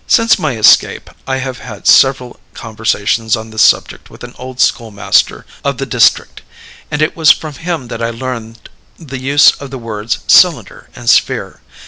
"Since my escape I have had several conversations on this subject with an old schoolmaster of the district; and it was from him that I learned the use of the words 'cylinder' and 'sphere.'